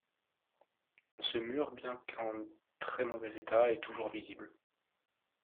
Ce mur bien qu'en très mauvais état est toujours visible.